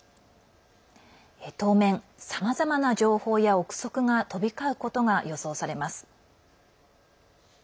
当面、さまざまな情報や憶測が飛び交うことが予想されます。